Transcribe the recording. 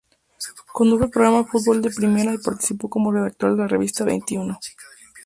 Condujo el programa "Fútbol de Primera" y participó como redactor de la revista "Veintiuno".